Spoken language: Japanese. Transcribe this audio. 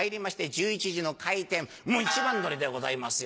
１１時の開店もう一番乗りでございますよ。